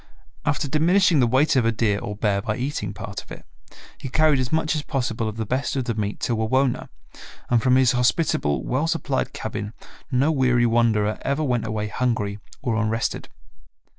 After diminishing the weight of a deer or bear by eating part of it, he carried as much as possible of the best of the meat to Wawona, and from his hospitable well supplied cabin no weary wanderer ever went away hungry or unrested.